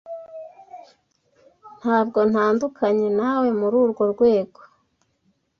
Ntabwo ntandukanye nawe muri urwo rwego.